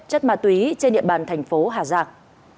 chất ma túy trên địa bàn thành phố hà giang